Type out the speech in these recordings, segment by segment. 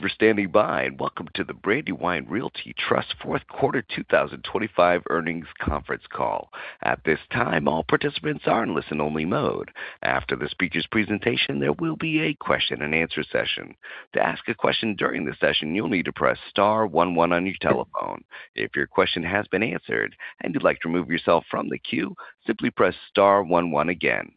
Thank you for standing by, and welcome to the Brandywine Realty Trust Q4 2025 Earnings Conference Call. At this time, all participants are in listen-only mode. After the speaker's presentation, there will be a question-and-answer session. To ask a question during the session, you'll need to press star one one on your telephone. If your question has been answered and you'd like to remove yourself from the queue, simply press star one one again.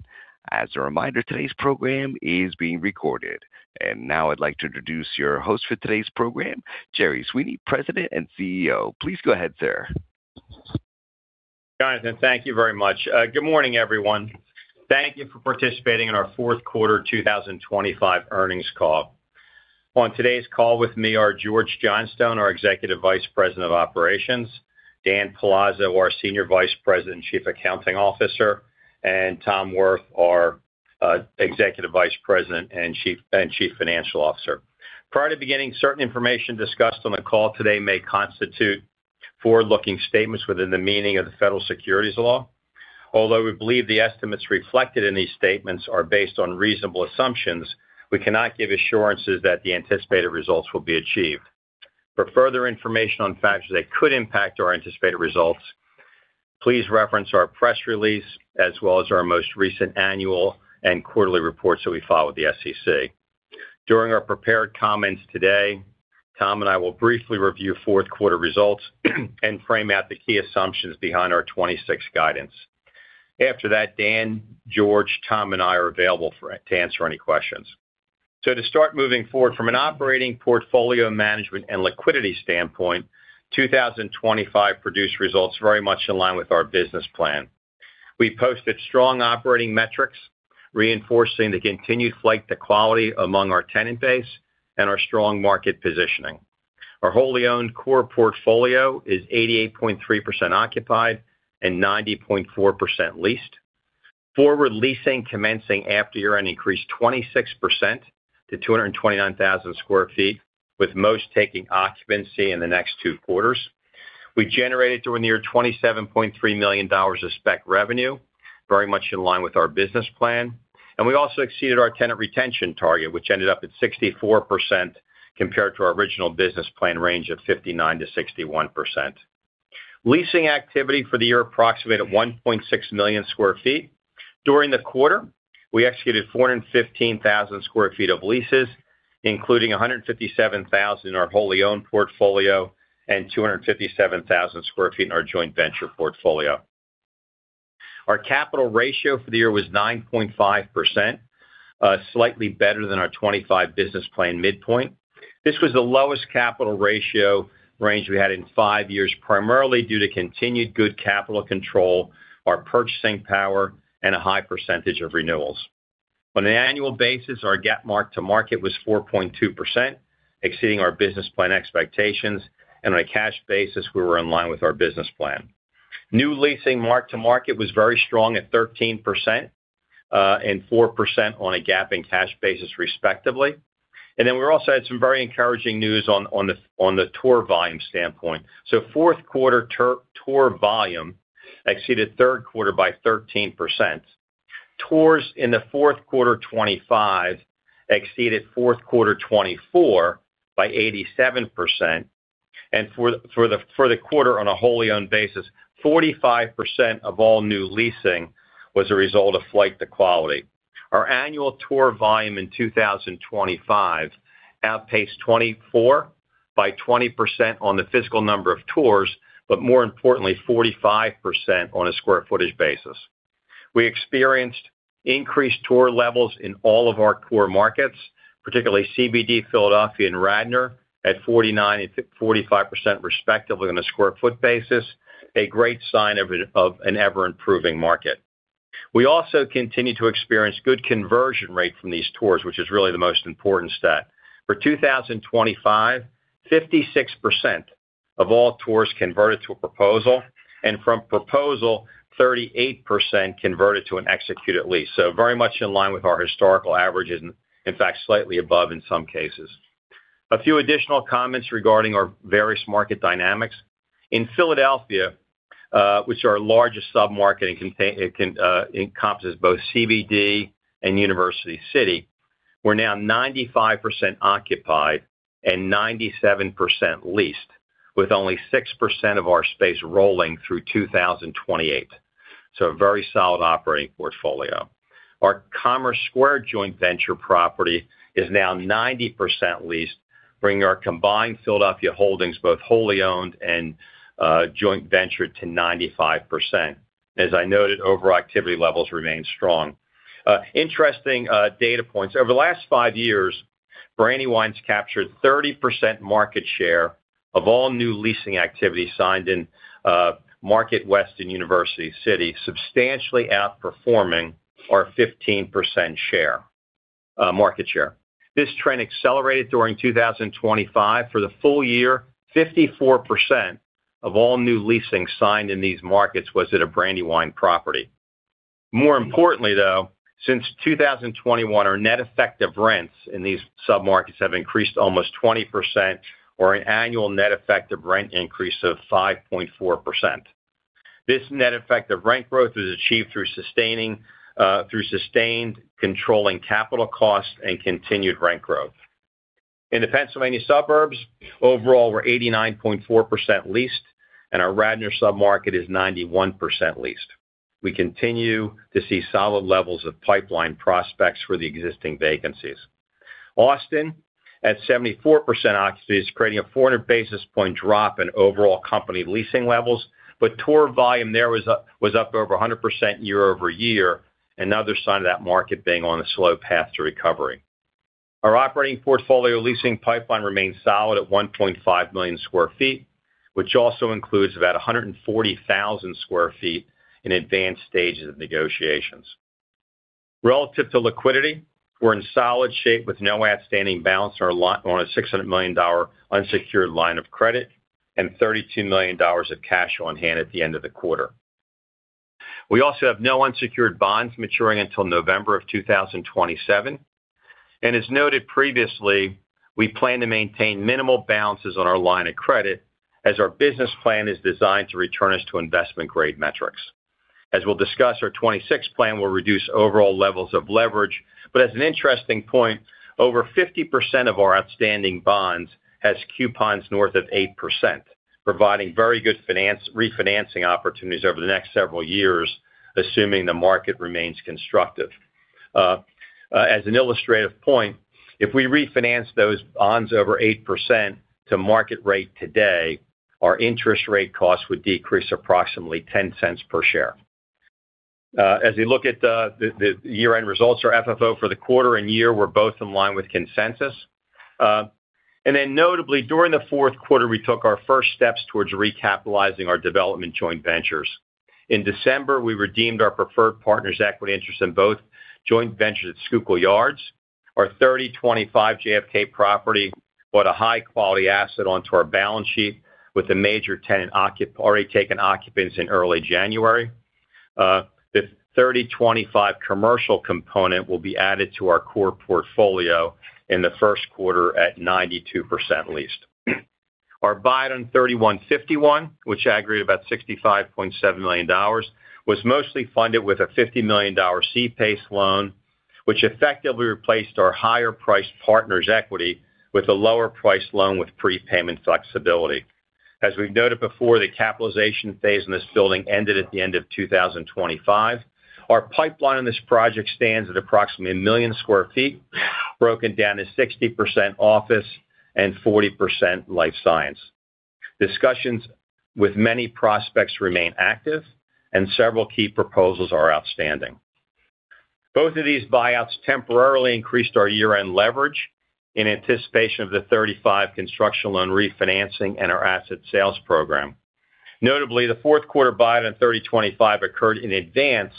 As a reminder, today's program is being recorded. And now I'd like to introduce your host for today's program, Jerry Sweeney, President and CEO. Please go ahead, sir. Jonathan, thank you very much. Good morning, everyone. Thank you for participating in our fourth quarter 2025 earnings call. On today's call with me are George Johnstone, our Executive Vice President of Operations, Dan Palazzo, our Senior Vice President and Chief Accounting Officer, and Tom Wirth, our Executive Vice President and Chief Financial Officer. Prior to beginning, certain information discussed on the call today may constitute forward-looking statements within the meaning of the federal securities law. Although we believe the estimates reflected in these statements are based on reasonable assumptions, we cannot give assurances that the anticipated results will be achieved. For further information on factors that could impact our anticipated results, please reference our press release as well as our most recent annual and quarterly reports that we file with the SEC. During our prepared comments today, Tom and I will briefly review Q4 results and frame out the key assumptions behind our 2026 guidance. After that, Dan, George, Tom, and I are available to answer any questions. To start moving forward, from an operating portfolio management and liquidity standpoint, 2025 produced results very much in line with our business plan. We posted strong operating metrics, reinforcing the continued flight to quality among our tenant base and our strong market positioning. Our wholly owned core portfolio is 88.3% occupied and 90.4% leased. Forward leasing commencing after year-end increased 26% to 229,000 sq ft, with most taking occupancy in the next two quarters. We generated nearly $27.3 million of spec revenue, very much in line with our business plan. We also exceeded our tenant retention target, which ended up at 64%, compared to our original business plan range of 59%-61%. Leasing activity for the year approximated at 1.6 million sq ft. During the quarter, we executed 415,000 sq ft of leases, including 157,000 in our wholly owned portfolio and 257,000 sq ft in our joint venture portfolio. Our capital ratio for the year was 9.5%, slightly better than our 2025 business plan midpoint. This was the lowest capital ratio range we had in five years, primarily due to continued good capital control, our purchasing power, and a high percentage of renewals. On an annual basis, our GAAP mark-to-market was 4.2%, exceeding our business plan expectations, and on a cash basis, we were in line with our business plan. New leasing mark-to-market was very strong at 13%, and 4% on a GAAP and cash basis, respectively. And then we also had some very encouraging news on the tour volume standpoint. So Q4 tour volume exceeded third quarter by 13%. Tours in the fourth quarter 2025 exceeded fourth quarter 2024 by 87%, and for the quarter, on a wholly owned basis, 45% of all new leasing was a result of flight to quality. Our annual tour volume in 2025 outpaced 2024 by 20% on the physical number of tours, but more importantly, 45% on a square footage basis. We experienced increased tour levels in all of our core markets, particularly CBD, Philadelphia, and Radnor, at 49% and 45% respectively on a sq ft basis, a great sign of an ever-improving market. We also continued to experience good conversion rate from these tours, which is really the most important stat. For 2025, 56% of all tours converted to a proposal, and from proposal, 38% converted to an executed lease, so very much in line with our historical averages, and in fact, slightly above in some cases. A few additional comments regarding our various market dynamics. In Philadelphia, which is our largest sub-market and encompasses both CBD and University City, we're now 95% occupied and 97% leased, with only 6% of our space rolling through 2028. So a very solid operating portfolio. Our Commerce Square joint venture property is now 90% leased, bringing our combined Philadelphia holdings, both wholly owned and joint ventured to 95%. As I noted, overall activity levels remain strong. Interesting data points. Over the last 5 years, Brandywine's captured 30% market share of all new leasing activity signed in Market West and University City, substantially outperforming our 15% share, market share. This trend accelerated during 2025. For the full year, 54% of all new leasing signed in these markets was at a Brandywine property. More importantly, though, since 2021, our net effective rents in these submarkets have increased almost 20% or an annual net effective rent increase of 5.4%. This net effective rent growth was achieved through sustained controlling capital costs and continued rent growth. In the Pennsylvania suburbs, overall, we're 89.4% leased, and our Radnor submarket is 91% leased. We continue to see solid levels of pipeline prospects for the existing vacancies. Austin, at 74% occupancy, is creating a 400 basis points drop in overall company leasing levels, but tour volume there was up over 100% year-over-year, another sign of that market being on a slow path to recovery. Our operating portfolio leasing pipeline remains solid at 1.5 million sq ft, which also includes about 140,000 sq ft in advanced stages of negotiations. Relative to liquidity, we're in solid shape with no outstanding balance on our $600 million unsecured line of credit and $32 million of cash on hand at the end of the quarter. We also have no unsecured bonds maturing until November of 2027, and as noted previously, we plan to maintain minimal balances on our line of credit as our business plan is designed to return us to investment-grade metrics. As we'll discuss, our 2026 plan will reduce overall levels of leverage. But as an interesting point, over 50% of our outstanding bonds has coupons north of 8%, providing very good financing and refinancing opportunities over the next several years, assuming the market remains constructive. As an illustrative point, if we refinance those bonds over 8% to market rate today, our interest rate costs would decrease approximately $0.10 per share. As we look at the year-end results, our FFO for the quarter and year were both in line with consensus. And then notably, during the Q4, we took our first steps towards recapitalizing our development joint ventures. In December, we redeemed our preferred partners' equity interest in both joint ventures at Schuylkill Yards. Our 3025 JFK property brought a high-quality asset onto our balance sheet with a major tenant already taking occupancy in early January. The 3025 commercial component will be added to our core portfolio in the first quarter at 92% leased. Our buyout on 3151, which aggregated about $65.7 million, was mostly funded with a $50 million C-PACE loan, which effectively replaced our higher-priced partners' equity with a lower-priced loan with prepayment flexibility. As we've noted before, the capitalization phase in this building ended at the end of 2025. Our pipeline on this project stands at approximately 1 million sq ft, broken down to 60% office and 40% life science. Discussions with many prospects remain active, and several key proposals are outstanding. Both of these buyouts temporarily increased our year-end leverage in anticipation of the 3025 construction loan refinancing and our asset sales program. Notably, the Q4 buyout in 3025 occurred in advance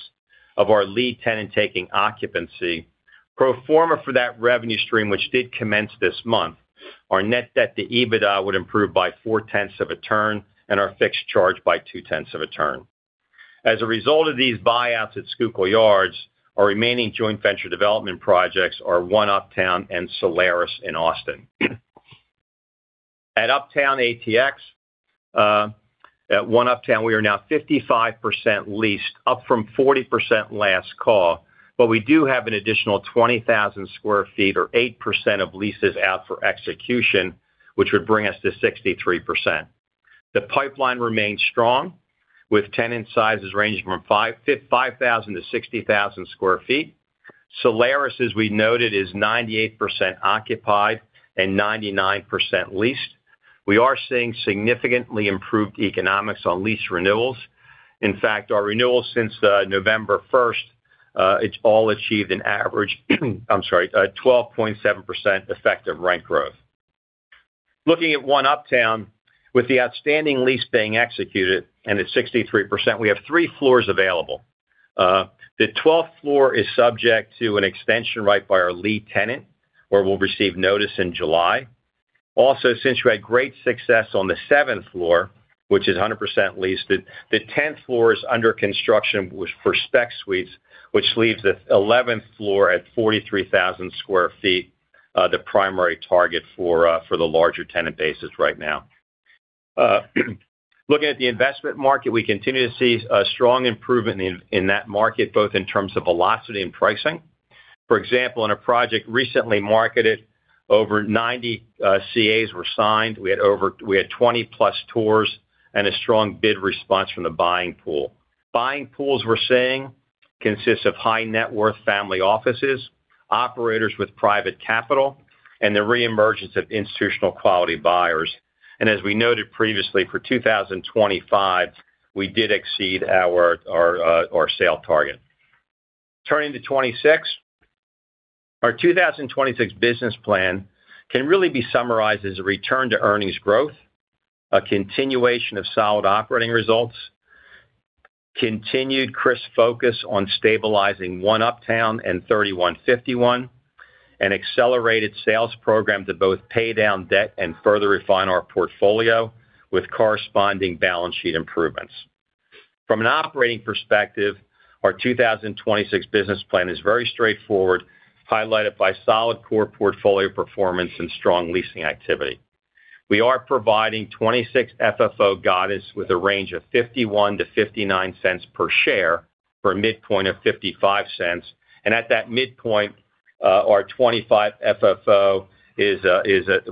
of our lead tenant taking occupancy. Pro forma for that revenue stream, which did commence this month, our net debt to EBITDA would improve by 0.4 of a turn and our fixed charge by 0.2 of a turn. As a result of these buyouts at Schuylkill Yards, our remaining joint venture development projects are One Uptown and Solaris in Austin. At Uptown ATX, at One Uptown, we are now 55% leased, up from 40% last call, but we do have an additional 20,000 sq ft or 8% of leases out for execution, which would bring us to 63%. The pipeline remains strong, with tenant sizes ranging from 5,000 to 60,000 sq ft. Solaris, as we noted, is 98% occupied and 99% leased. We are seeing significantly improved economics on lease renewals. In fact, our renewals since November first, it's all achieved an average, I'm sorry, 12.7% effective rent growth. Looking at One Uptown, with the outstanding lease being executed and at 63%, we have three floors available. The 12th floor is subject to an extension right by our lead tenant, where we'll receive notice in July. Also, since we had great success on the 7th floor, which is 100% leased, the 10th floor is under construction for spec suites, which leaves the 11th floor at 43,000 sq ft, the primary target for the larger tenant bases right now. Looking at the investment market, we continue to see a strong improvement in that market, both in terms of velocity and pricing. For example, in a project recently marketed, over 90 CAs were signed. We had +20 tours and a strong bid response from the buying pool. Buying pools we're seeing consists of high-net-worth family offices, operators with private capital, and the reemergence of institutional quality buyers. As we noted previously, for 2025, we did exceed our sale target. Turning to 2026. Our 2026 business plan can really be summarized as a return to earnings growth, a continuation of solid operating results, continued crisp focus on stabilizing One Uptown and 3151, an accelerated sales program to both pay down debt and further refine our portfolio with corresponding balance sheet improvements. From an operating perspective, our 2026 business plan is very straightforward, highlighted by solid core portfolio performance and strong leasing activity. We are providing '26 FFO guidance with a range of $0.51-$0.59 per share, for a midpoint of $0.55. At that midpoint, our 2025 FFO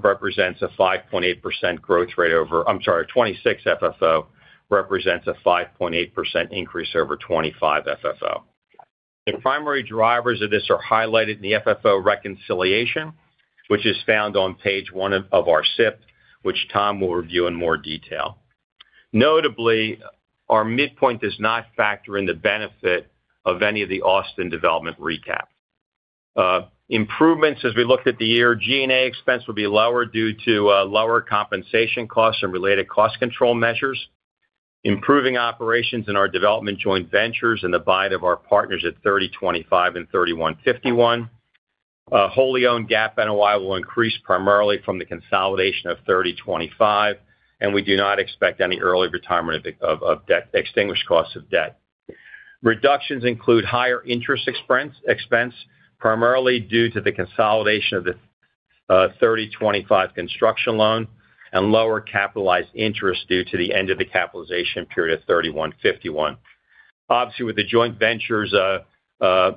represents a 5.8% growth rate over I'm sorry, 2026 FFO represents a 5.8% increase over 2025 FFO. The primary drivers of this are highlighted in the FFO reconciliation, which is found on page one of our SIP, which Tom will review in more detail. Notably, our midpoint does not factor in the benefit of any of the Austin development recap. Improvements as we looked at the year, G&A expense will be lower due to lower compensation costs and related cost control measures, improving operations in our development joint ventures, and thebuyout of our partners at 3025 and 3151. Wholly owned GAAP NOI will increase primarily from the consolidation of 3025, and we do not expect any early retirement of debt extinguishment costs of debt. Reductions include higher interest expense primarily due to the consolidation of the 3025 construction loan and lower capitalized interest due to the end of the capitalization period of 3151. Obviously, with the joint ventures at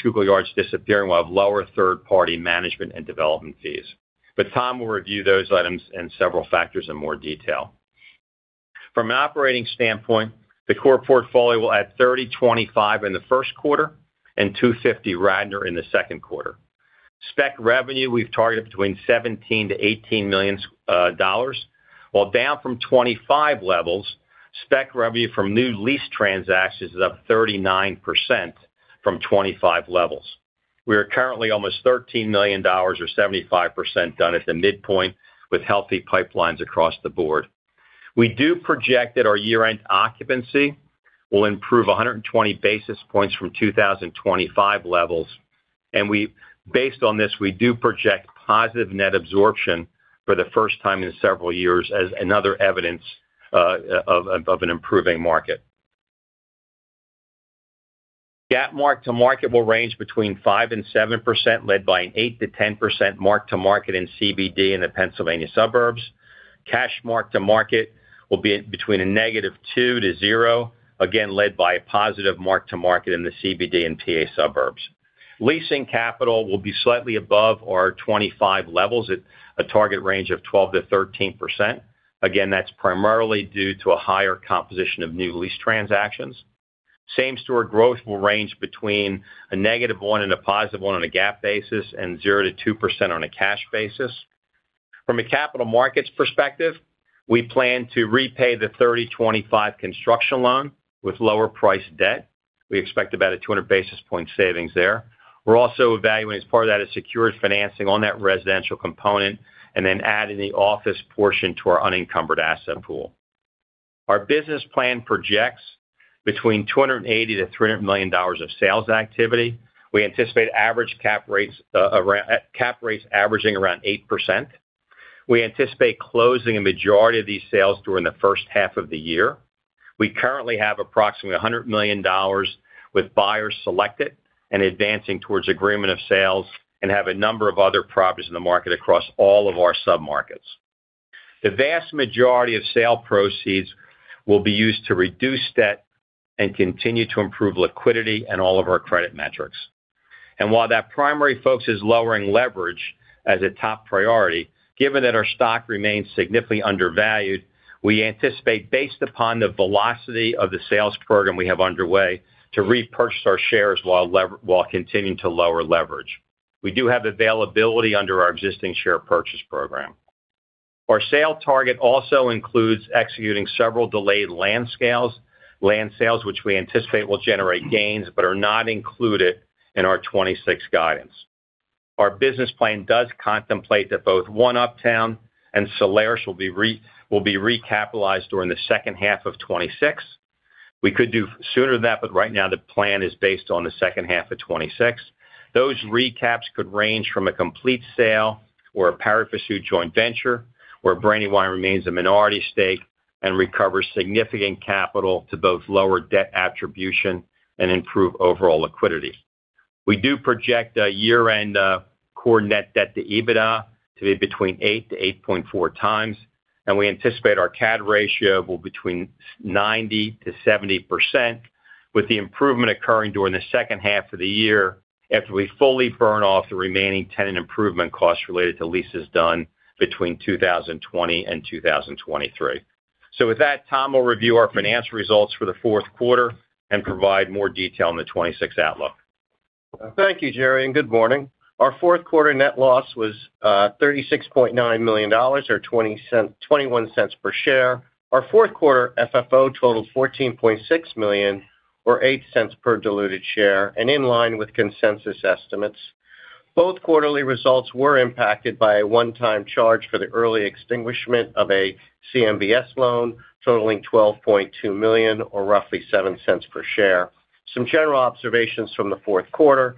Schuylkill Yards disappearing, we'll have lower third-party management and development fees. But Tom will review those items and several factors in more detail. From an operating standpoint, the core portfolio will add 3025 in the first quarter and 250 Radnor in the second quarter. Spec revenue, we've targeted between $17 million-$18 million. While down from 25 levels, spec revenue from new lease transactions is up 39% from 25 levels. We are currently almost $13 million or 75% done at the midpoint, with healthy pipelines across the board. We do project that our year-end occupancy will improve 120 basis points from 2025 levels. Based on this, we do project positive net absorption for the first time in several years as another evidence of an improving market. GAAP mark-to-market will range between 5% and 7%, led by an 8%-10% mark-to-market in CBD in the Pennsylvania suburbs. Cash mark-to-market will be between -2 to 0, again, led by a positive mark-to-market in the CBD and PA suburbs. Leasing capital will be slightly above our 2025 levels at a target range of 12%-13%. Again, that's primarily due to a higher composition of new lease transactions. Same-store growth will range between -1 and +1 on a GAAP basis and 0%-2% on a cash basis. From a capital markets perspective, we plan to repay the 2025 construction loan with lower-priced debt. We expect about a 200 basis point savings there. We're also evaluating, as part of that, a secured financing on that residential component, and then adding the office portion to our unencumbered asset pool. Our business plan projects between $280 million and $300 million of sales activity. We anticipate average cap rates around cap rates averaging around 8%. We anticipate closing a majority of these sales during the first half of the year. We currently have approximately $100 million with buyers selected and advancing towards agreement of sales, and have a number of other properties in the market across all of our submarkets. The vast majority of sale proceeds will be used to reduce debt and continue to improve liquidity and all of our credit metrics. While that primary focus is lowering leverage as a top priority, given that our stock remains significantly undervalued, we anticipate, based upon the velocity of the sales program we have underway, to repurchase our shares while continuing to lower leverage. We do have availability under our existing share purchase program. Our sale target also includes executing several delayed land scales, land sales, which we anticipate will generate gains but are not included in our 2026 guidance. Our business plan does contemplate that both One Uptown and Solaris will be recapitalized during the second half of 2026. We could do sooner than that, but right now the plan is based on the second half of 2026. Those recaps could range from a complete sale or a pari passu joint venture, where Brandywine remains a minority stake and recovers significant capital to both lower debt attribution and improve overall liquidity. We do project a year-end core net debt to EBITDA to be between 8-8.4 times, and we anticipate our CAD ratio will be between 70%-90%, with the improvement occurring during the second half of the year after we fully burn off the remaining tenant improvement costs related to leases done between 2020 and 2023. So with that, Tom will review our financial results for the fourth quarter and provide more detail on the 2026 outlook. Thank you, Jerry, and good morning. Our fourth quarter net loss was $36.9 million, or $0.21 per share. Our fourth quarter FFO totaled $14.6 million, or $0.08 per diluted share, and in line with consensus estimates. Both quarterly results were impacted by a one-time charge for the early extinguishment of a CMBS loan, totaling $12.2 million, or roughly $0.07 per share. Some general observations from the fourth quarter.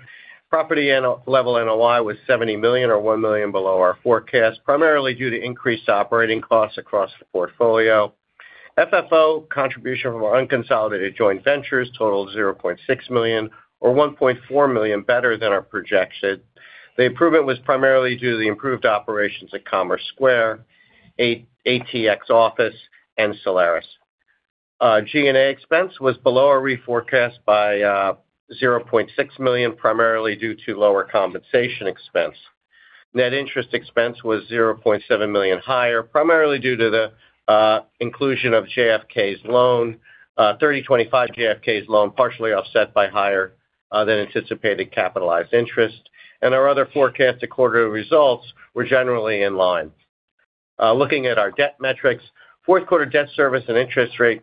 Property level NOI was $70 million, or $1 million below our forecast, primarily due to increased operating costs across the portfolio. FFO contribution from our unconsolidated joint ventures totaled $0.6 million, or $1.4 million better than our projection. The improvement was primarily due to the improved operations at Commerce Square, ATX Office, and Solaris. G&A expense was below our reforecast by $0.6 million, primarily due to lower compensation expense. Net interest expense was $0.7 million higher, primarily due to the inclusion of JFK's loan, 3025 JFK's loan, partially offset by higher than anticipated capitalized interest, and our other forecasted quarterly results were generally in line. Looking at our debt metrics, fourth quarter debt service and interest rate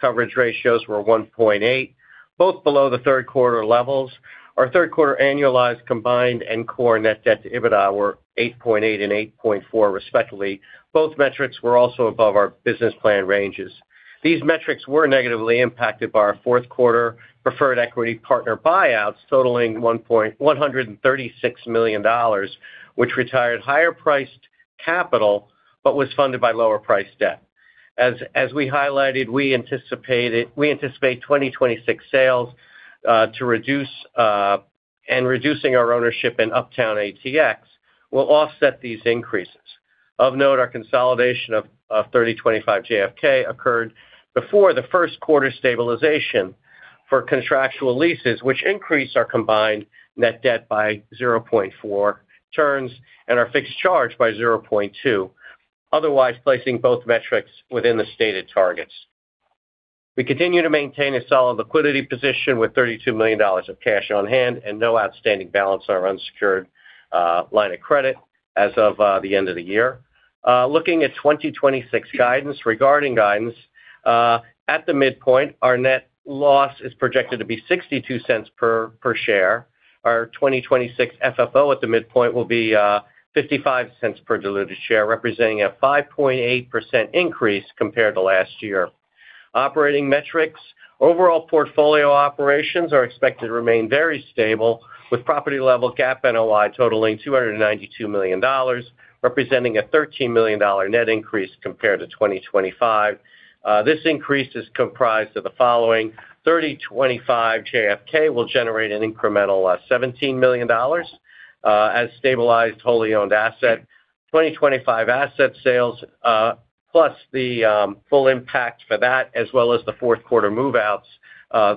coverage ratios were 1.8, both below the third quarter levels. Our third quarter annualized combined and core net debt to EBITDA were 8.8 and 8.4, respectively. Both metrics were also above our business plan ranges. These metrics were negatively impacted by our Q4 preferred equity partner buyouts, totaling $136 million, which retired higher priced capital, but was funded by lower priced debt. As we highlighted, we anticipate 2026 sales to reduce and reducing our ownership in Uptown ATX will offset these increases. Of note, our consolidation of 3025 JFK occurred before the first quarter stabilization for contractual leases, which increased our combined net debt by 0.4 turns and our fixed charge by 0.2, otherwise placing both metrics within the stated targets. We continue to maintain a solid liquidity position with $32 million of cash on hand and no outstanding balance on our unsecured line of credit as of the end of the year. Looking at 2026 guidance, regarding guidance, at the midpoint, our net loss is projected to be $0.62 per share. Our 2026 FFO at the midpoint will be $0.55 per diluted share, representing a 5.8% increase compared to last year. Operating metrics. Overall portfolio operations are expected to remain very stable, with property level GAAP NOI totaling $292 million, representing a $13 million net increase compared to 2025. This increase is comprised of the following: 3025 JFK will generate an incremental $17 million as stabilized, wholly owned asset. 2025 asset sales, plus the full impact for that, as well as the fourth quarter move-outs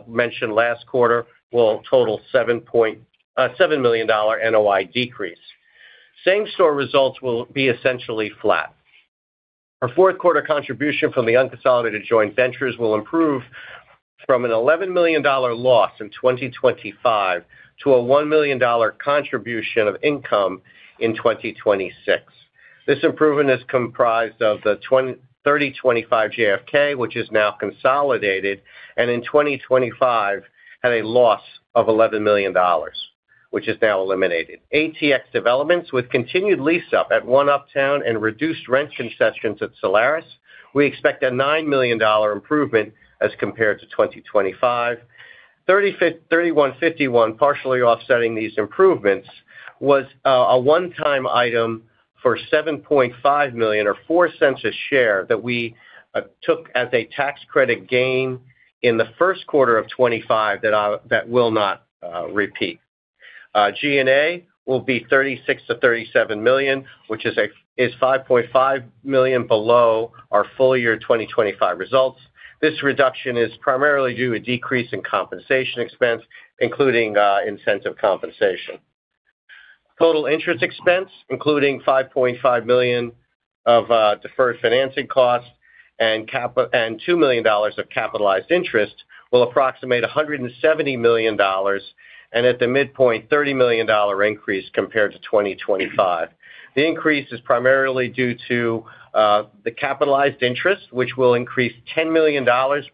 mentioned last quarter, will total seven million dollar NOI decrease. Same-store results will be essentially flat. Our fourth quarter contribution from the unconsolidated joint ventures will improve from an $11 million loss in 2025 to a $1 million contribution of income in 2026. This improvement is comprised of the 3025 JFK, which is now consolidated, and in 2025, had a loss of $11 million, which is now eliminated. ATX developments with continued lease up at One Uptown and reduced rent concessions at Solaris, we expect a $9 million improvement as compared to 2025. 3151, partially offsetting these improvements, was a one-time item for $7.5 million or $0.04 per share that we took as a tax credit gain in the first quarter of 2025 that will not repeat. G&A will be $36 million-$37 million, which is $5.5 million below our full year 2025 results. This reduction is primarily due to a decrease in compensation expense, including incentive compensation. Total interest expense, including $5.5 million of deferred financing costs and $2 million of capitalized interest, will approximate $170 million, and at the midpoint, $30 million increase compared to 2025. The increase is primarily due to the capitalized interest, which will increase $10 million,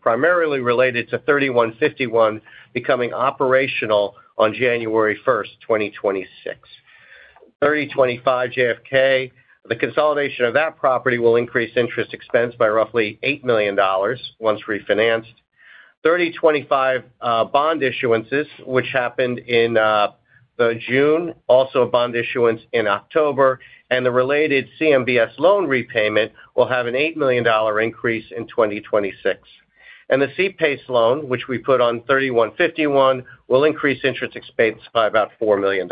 primarily related to 3151 becoming operational on January 1, 2026. 3025 JFK, the consolidation of that property will increase interest expense by roughly $8 million once refinanced. 3025 bond issuances, which happened in June, also a bond issuance in October, and the related CMBS loan repayment will have an $8 million increase in 2026. The C-PACE loan, which we put on 3151, will increase interest expense by about $4 million.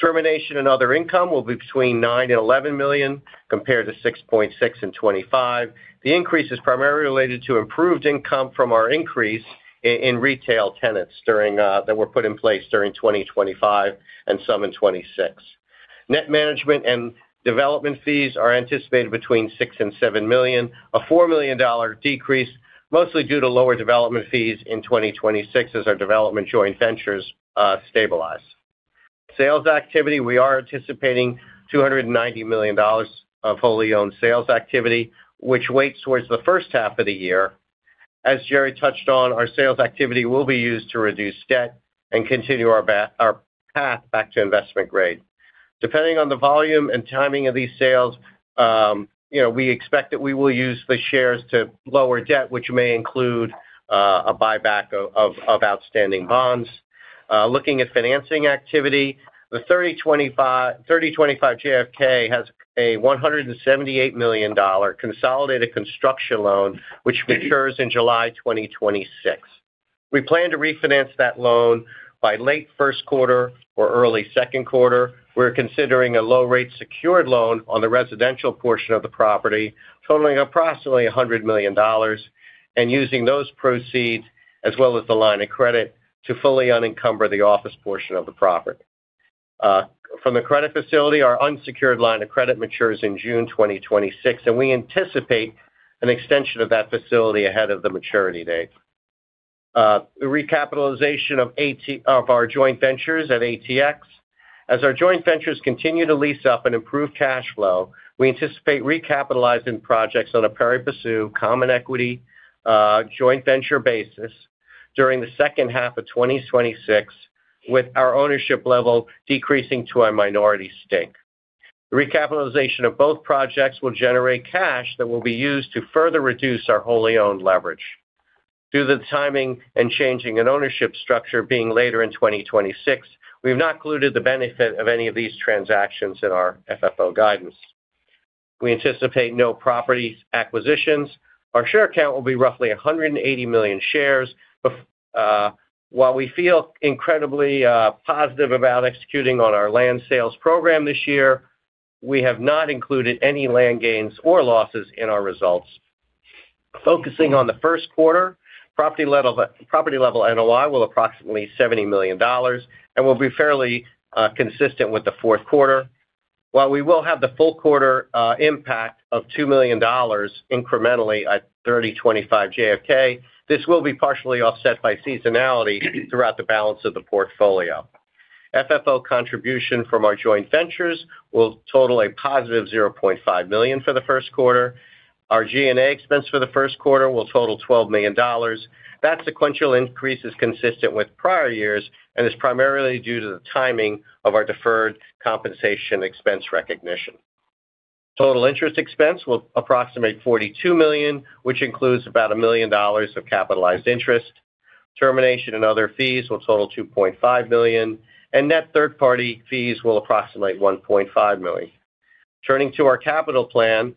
Termination and other income will be between $9 million and $11 million, compared to $6.6 million in 2025. The increase is primarily related to improved income from our increase in retail tenants during that were put in place during 2025 and some in 2026. Net management and development fees are anticipated between $6 million and $7 million, a $4 million decrease, mostly due to lower development fees in 2026 as our development joint ventures stabilize. Sales activity, we are anticipating $290 million of wholly owned sales activity, which weighs towards the first half of the year. As Jerry touched on, our sales activity will be used to reduce debt and continue our path back to investment grade. Depending on the volume and timing of these sales, you know, we expect that we will use the shares to lower debt, which may include a buyback of outstanding bonds. Looking at financing activity, the 3025 JFK has a $178 million consolidated construction loan, which matures in July 2026. We plan to refinance that loan by late first quarter or early second quarter. We're considering a low rate secured loan on the residential portion of the property, totaling approximately $100 million, and using those proceeds as well as the line of credit to fully unencumber the office portion of the property. From the credit facility, our unsecured line of credit matures in June 2026, and we anticipate an extension of that facility ahead of the maturity date. The recapitalization of our joint ventures at ATX. As our joint ventures continue to lease up and improve cash flow, we anticipate recapitalizing projects on a pari passu common equity joint venture basis during the second half of 2026, with our ownership level decreasing to a minority stake. The recapitalization of both projects will generate cash that will be used to further reduce our wholly owned leverage. Due to the timing and changing in ownership structure being later in 2026, we've not included the benefit of any of these transactions in our FFO guidance. We anticipate no property acquisitions. Our share count will be roughly 180 million shares. But, while we feel incredibly positive about executing on our land sales program this year, we have not included any land gains or losses in our results. Focusing on the first quarter, property level NOI will approximately $70 million and will be fairly consistent with the fourth quarter. While we will have the full quarter impact of $2 million incrementally at 3025 JFK, this will be partially offset by seasonality throughout the balance of the portfolio. FFO contribution from our joint ventures will total a positive 0.5 million for the first quarter. Our G&A expense for the first quarter will total $12 million. That sequential increase is consistent with prior years and is primarily due to the timing of our deferred compensation expense recognition. Total interest expense will approximate $42 million, which includes about $1 million of capitalized interest. Termination and other fees will total $2.5 million, and net third-party fees will approximate $1.5 million. Turning to our capital plan,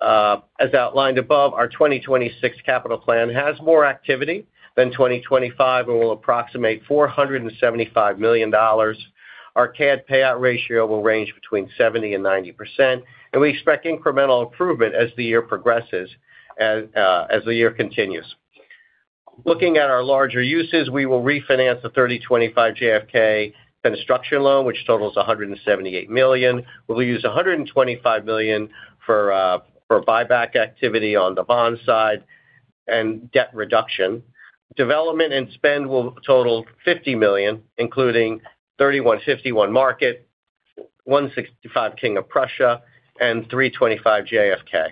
as outlined above, our 2026 capital plan has more activity than 2025 and will approximate $475 million. Our CAD payout ratio will range between 70% and 90%, and we expect incremental improvement as the year progresses and, as the year continues. Looking at our larger uses, we will refinance the 3025 JFK construction loan, which totals $178 million. We'll use $125 million for buyback activity on the bond side and debt reduction. Development and spend will total $50 million, including 3151 Market, 165 King of Prussia, and 3025 JFK.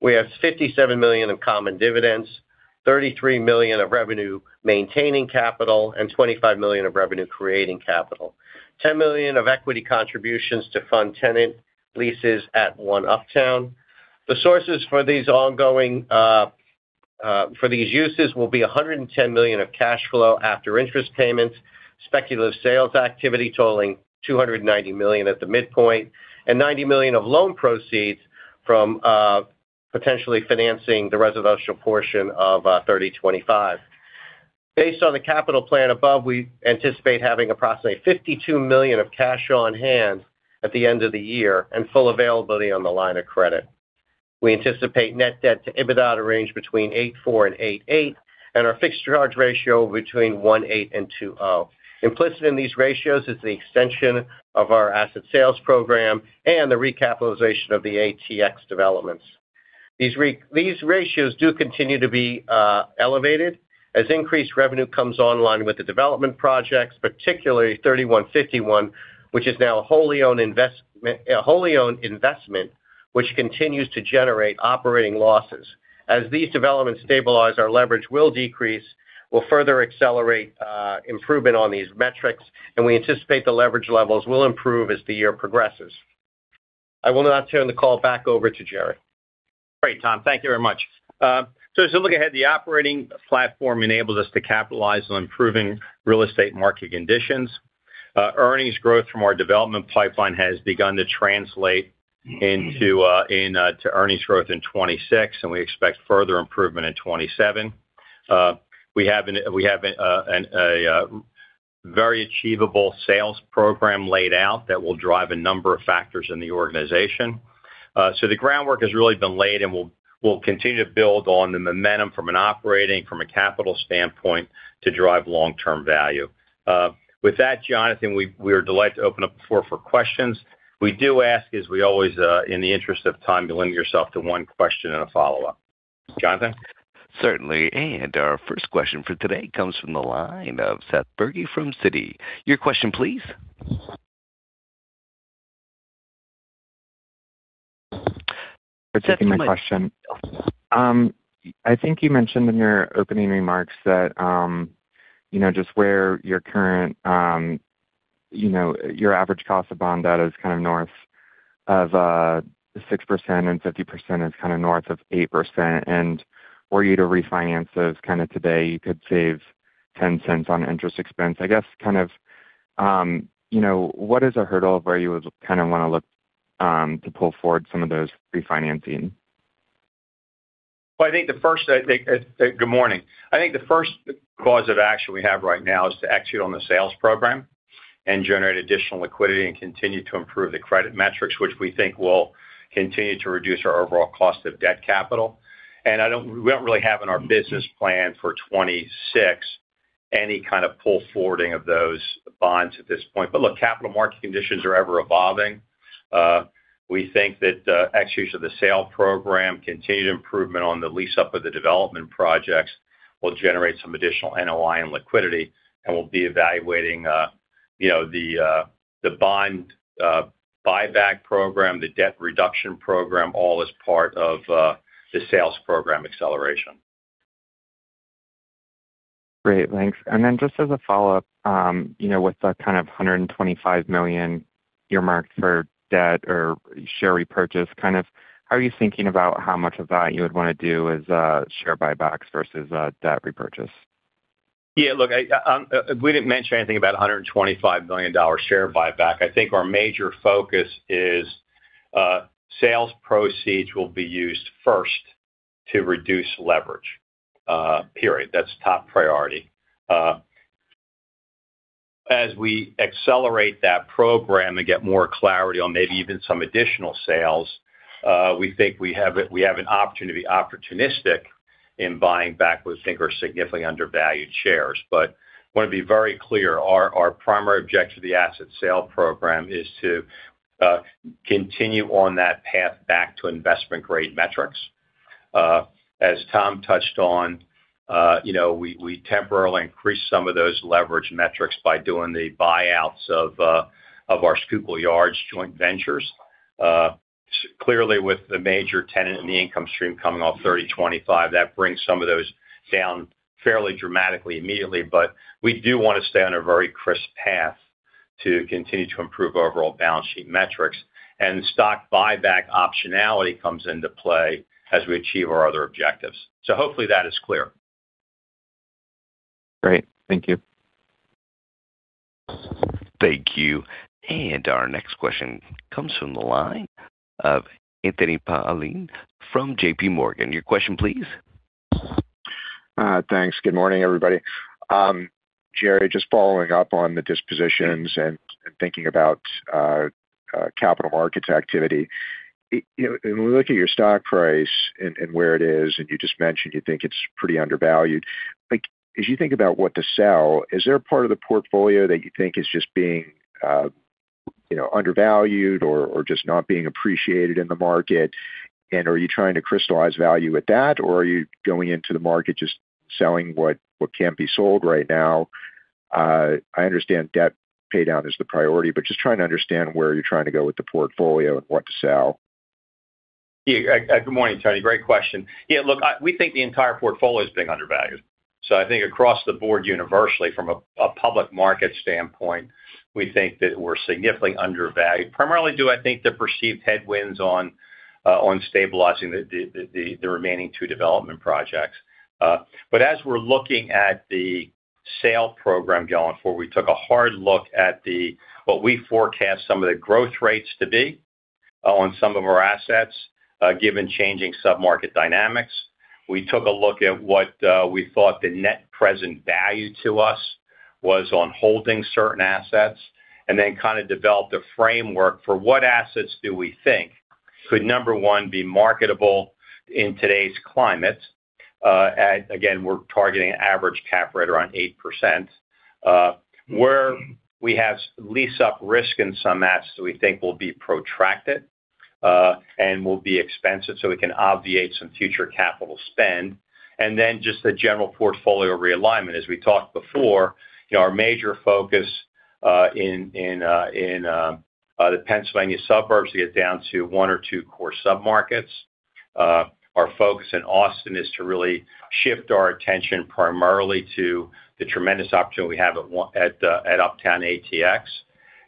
We have $57 million of common dividends, $33 million of revenue-maintaining capital, and $25 million of revenue-creating capital, $10 million of equity contributions to fund tenant leases at One Uptown. The sources for these ongoing for these uses will be $110 million of cash flow after interest payments, speculative sales activity totaling $290 million at the midpoint, and $90 million of loan proceeds from potentially financing the residential portion of 3025. Based on the capital plan above, we anticipate having approximately $52 million of cash on hand at the end of the year and full availability on the line of credit. We anticipate net debt to EBITDA to range between 8.4 and 8.8, and our fixed charge coverage between 1.8 and 2.0. Implicit in these ratios is the extension of our asset sales program and the recapitalization of the ATX developments. These ratios do continue to be elevated as increased revenue comes online with the development projects, particularly 3151, which is now a wholly owned investment, which continues to generate operating losses. As these developments stabilize, our leverage will decrease, will further accelerate improvement on these metrics, and we anticipate the leverage levels will improve as the year progresses. I will now turn the call back over to Jerry. Great, Tom. Thank you very much. So as we look ahead, the operating platform enables us to capitalize on improving real estate market conditions. Earnings growth from our development pipeline has begun to translate into earnings growth in 2026, and we expect further improvement in 2027. We have a very achievable sales program laid out that will drive a number of factors in the organization. So the groundwork has really been laid, and we'll continue to build on the momentum from an operating, from a capital standpoint to drive long-term value. With that, Jonathan, we are delighted to open up the floor for questions. We do ask, as we always, in the interest of time, to limit yourself to one question and a follow-up. Jonathan? Certainly. Our first question for today comes from the line of Seth Bergey from Citi. Your question, please. Thanks for taking my question. I think you mentioned in your opening remarks that, you know, just where your current, you know, your average cost of bond debt is kind of north of 6%, and 50% is kind of north of 8%. And were you to refinance those kind of today, you could save $0.10 on interest expense. I guess, kind of, you know, what is a hurdle of where you would kind of want to look to pull forward some of those refinancing? Well, I think the first course of action we have right now is to execute on the sales program and generate additional liquidity and continue to improve the credit metrics, which we think will continue to reduce our overall cost of debt capital. And I don't—we don't really have in our business plan for 2026, any kind of pull forwarding of those bonds at this point. But look, capital market conditions are ever evolving. We think that execution of the sale program, continued improvement on the lease-up of the development projects, will generate some additional NOI and liquidity, and we'll be evaluating, you know, the bond buyback program, the debt reduction program, all as part of the sales program acceleration. Great, thanks. Then just as a follow-up, you know, with the kind of $125 million earmarked for debt or share repurchase, kind of how are you thinking about how much of that you would want to do as share buybacks versus debt repurchase? Yeah, look, I, we didn't mention anything about a $125 million share buyback. I think our major focus is, sales proceeds will be used first to reduce leverage, period. That's top priority. As we accelerate that program and get more clarity on maybe even some additional sales, we think we have an opportunity to be opportunistic in buying back what we think are significantly undervalued shares. But want to be very clear, our, our primary objective of the asset sale program is to, continue on that path back to investment-grade metrics. As Tom touched on, you know, we temporarily increased some of those leverage metrics by doing the buyouts of, of our Schuylkill Yards joint ventures. Clearly, with the major tenant and the income stream coming off 3025, that brings some of those down fairly dramatically, immediately. But we do want to stay on a very crisp path to continue to improve overall balance sheet metrics. And stock buyback optionality comes into play as we achieve our other objectives. Hopefully that is clear. Great. Thank you. Thank you. And our next question comes from the line of Anthony Paolone from J.P. Morgan. Your question, please. Thanks. Good morning, everybody. Jerry, just following up on the dispositions and thinking about capital markets activity. You know, when we look at your stock price and where it is, and you just mentioned you think it's pretty undervalued. Like, as you think about what to sell, is there a part of the portfolio that you think is just being, you know, undervalued or just not being appreciated in the market? And are you trying to crystallize value with that, or are you going into the market just selling what can't be sold right now? I understand debt paydown is the priority, but just trying to understand where you're trying to go with the portfolio and what to sell. Yeah, good morning, Tony. Great question. Yeah, look, we think the entire portfolio is being undervalued. So I think across the board, universally, from a public market standpoint, we think that we're significantly undervalued. Primarily due, I think, to perceived headwinds on stabilizing the remaining two development projects. But as we're looking at the sale program going forward, we took a hard look at what we forecast some of the growth rates to be on some of our assets, given changing sub-market dynamics. We took a look at what we thought the net present value to us was on holding certain assets, and then kind of developed a framework for what assets do we think could, number one, be marketable in today's climate. And again, we're targeting an average cap rate around 8%. Where we have lease-up risk in some assets that we think will be protracted, and will be expensive, so we can obviate some future capital spend. And then just the general portfolio realignment. As we talked before, you know, our major focus in the Pennsylvania suburbs to get down to one or two core submarkets. Our focus in Austin is to really shift our attention primarily to the tremendous opportunity we have at Uptown ATX.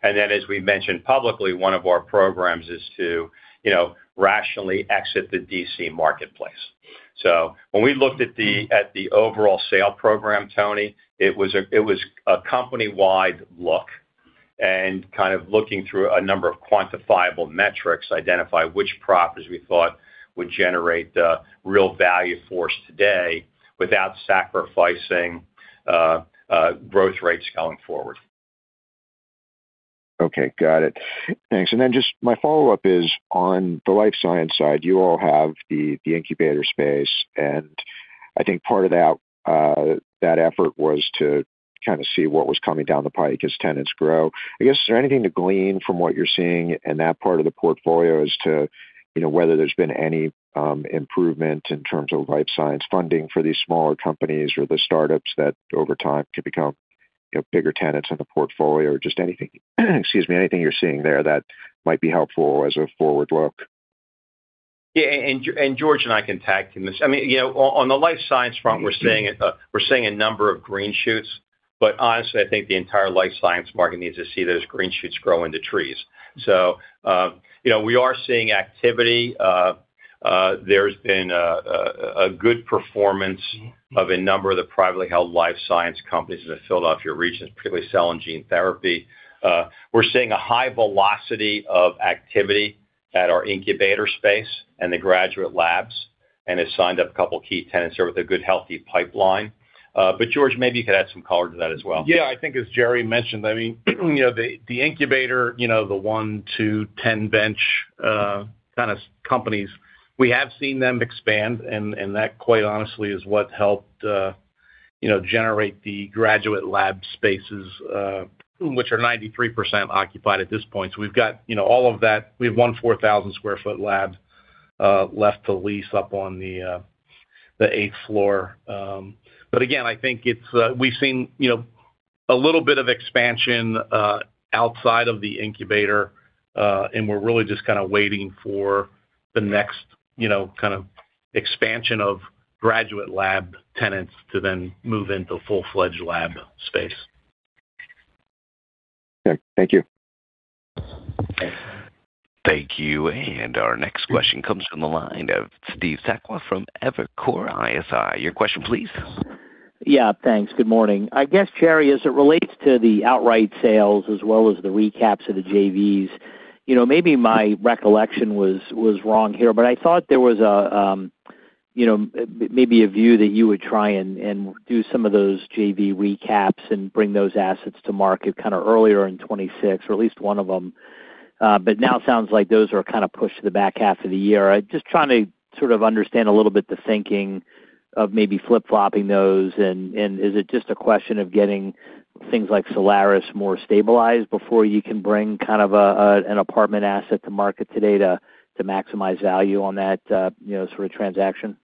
And then, as we mentioned publicly, one of our programs is to, you know, rationally exit the D.C. marketplace. So when we looked at the overall sale program, Tony, it was a company-wide look and kind of looking through a number of quantifiable metrics, identify which properties we thought would generate real value for us today without sacrificing growth rates going forward. Okay, got it. Thanks. And then just my follow-up is: on the life science side, you all have the incubator space, and I think part of that that effort was to kind of see what was coming down the pipe as tenants grow. I guess, is there anything to glean from what you're seeing in that part of the portfolio as to, you know, whether there's been any improvement in terms of life science funding for these smaller companies or the startups that over time could become, you know, bigger tenants in the portfolio? Or just anything, excuse me, anything you're seeing there that might be helpful as a forward look? Yeah, and George and I can tag team this. I mean, you know, on the life science front, we're seeing a number of green shoots, but honestly, I think the entire life science market needs to see those green shoots grow into trees. So, you know, we are seeing activity. There's been a good performance of a number of the privately held life science companies in the Philadelphia region, particularly cell and gene therapy. We're seeing a high velocity of activity at our incubator space and the graduate labs, and has signed up a couple key tenants there with a good, healthy pipeline. But George, maybe you could add some color to that as well. Yeah, I think as Jerry mentioned, I mean, you know, the incubator, you know, the 1 to 10 bench kind of companies, we have seen them expand, and that, quite honestly, is what helped, you know, generate the graduate lab spaces, which are 93% occupied at this point. So we've got, you know, all of that. We have one 4,000 sq ft lab left to lease up on the eighth floor. But again, I think it's. We've seen, you know, a little bit of expansion outside of the incubator, and we're really just kind of waiting for the next, you know, kind of expansion of graduate lab tenants to then move into full-fledged lab space. Okay. Thank you. Thank you, and our next question comes from the line of Steve Sakwa from Evercore ISI. Your question please. Yeah, thanks. Good morning. I guess, Jerry, as it relates to the outright sales as well as the recaps of the JVs, you know, maybe my recollection was, was wrong here, but I thought there was a, you know, maybe a view that you would try and, and do some of those JV recaps and bring those assets to market kind of earlier in 2026, or at least one of them. But now it sounds like those are kind of pushed to the back half of the year. I'm just trying to sort of understand a little bit the thinking of maybe flip-flopping those, and, and is it just a question of getting things like Solaris more stabilized before you can bring kind of a, a, an apartment asset to market today to, to maximize value on that, you know, sort of transaction?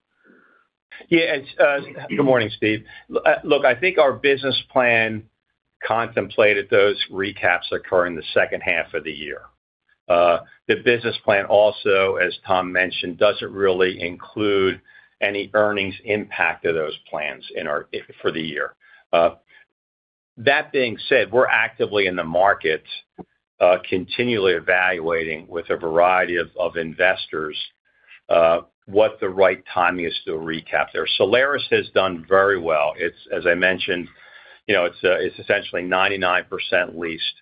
Yeah, it's Good morning, Steve. Look, I think our business plan contemplated those recaps occurring in the second half of the year. The business plan also, as Tom mentioned, doesn't really include any earnings impact of those plans in our -- for the year. That being said, we're actively in the market, continually evaluating with a variety of, of investors, what the right timing is to recap there. Solaris has done very well. It's, as I mentioned, you know, it's, it's essentially 99% leased.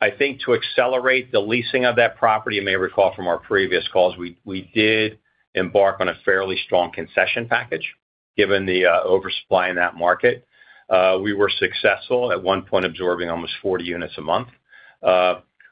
I think to accelerate the leasing of that property, you may recall from our previous calls, we, we did embark on a fairly strong concession package, given the, oversupply in that market. We were successful, at one point, absorbing almost 40 units a month.